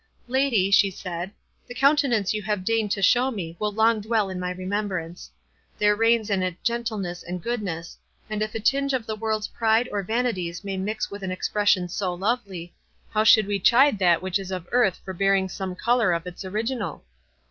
"Lady," she said, "the countenance you have deigned to show me will long dwell in my remembrance. There reigns in it gentleness and goodness; and if a tinge of the world's pride or vanities may mix with an expression so lovely, how should we chide that which is of earth for bearing some colour of its original?